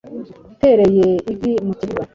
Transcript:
yatereye ivi mu kibuga